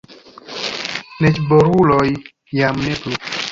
Neĝboruloj jam ne plu.